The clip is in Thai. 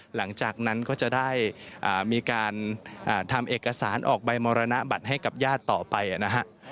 หลังจากนั้นก็จะได้มีการทำเอกสารออกใบมรณบัตรให้กับญาติต่อไปนะฮะ